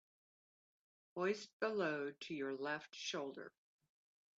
Hoist the load to your left shoulder.